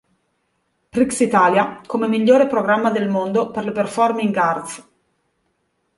Prix italia come "Migliore Programma del Mondo per le Performing Arts".